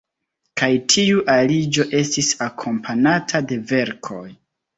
Kaj tiu aliĝo estis akompanata de verkoj.